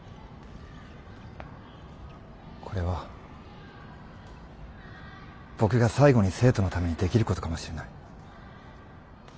これは僕が最後に生徒のためにできる事かもしれない。